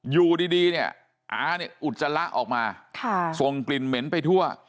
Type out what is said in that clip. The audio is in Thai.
อยู่ดีเนี่ยอาเนี่ยอุจจาระออกมาส่งกลิ่นเหม็นไปทั่ว